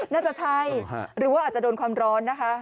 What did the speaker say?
น่าจะใช่หรือว่าอาจจะโดนความร้อนนะคะ